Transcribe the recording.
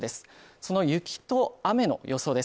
その雪と雨の予想です。